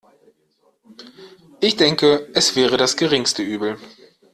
Ich denke, es wäre das geringste Übel.